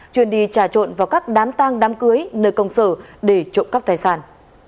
chuyên đi trà trộn vào các đám tang đám cưới nơi công sở để trộm cắp tài sản